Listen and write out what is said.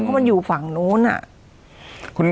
เพราะมันอยู่ฝั่งนู้นอะ